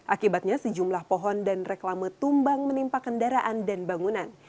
akibatnya sejumlah pohon dan reklame tumbang menimpa kendaraan dan bangunan